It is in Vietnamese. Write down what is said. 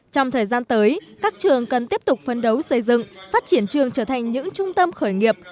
trong thời gian tới các trường cần tiếp tục phấn đấu xây dựng phát triển trường trở thành những trung tâm khởi nghiệp